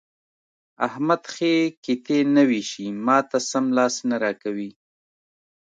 احمد ښې قطعې نه وېشي؛ ما ته سم لاس نه راکوي.